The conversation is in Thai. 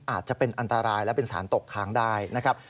อาจจะเป็นอันตรายและเป็นสารตกค้างได้นะครับ